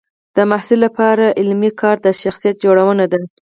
د محصل لپاره علمي کار د شخصیت جوړونه ده.